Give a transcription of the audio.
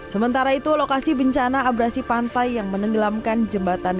sementara itu lokasi bencana abrasi pantai yang menenggelamkan jembatan